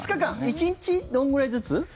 １日どれくらいずつ？